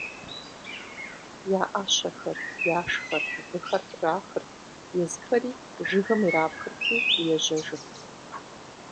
Я ӏэщэхэр, яшхэр, выхэр трахырт, езыхэри жыгым ирапхырти ежьэжырт.